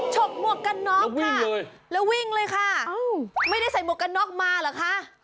ฉกหมวกกันน็อกค่ะแล้ววิ่งเลยค่ะไม่ได้ใส่หมวกกันน็อกมาเหรอคะ